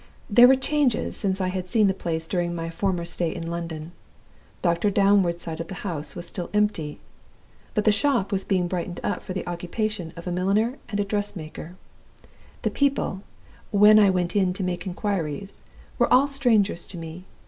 "There were changes since I had seen the place during my former stay in London. Doctor Downward's side of the house was still empty. But the shop was being brightened up for the occupation of a milliner and dress maker. The people, when I went in to make inquiries, were all strangers to me.